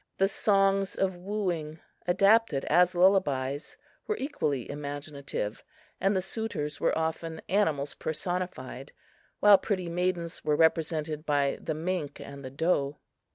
The songs of wooing, adapted as lullabies, were equally imaginative, and the suitors were often animals personified, while pretty maidens were represented by the mink and the doe.